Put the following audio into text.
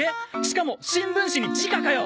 しかも新聞紙に直かよ！